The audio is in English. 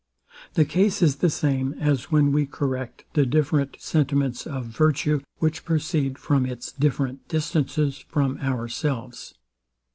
The case is the same, as when we correct the different sentiments of virtue, which proceed from its different distances from ourselves.